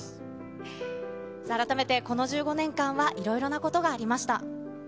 改めてこの１５年間はいろいろなことがありました。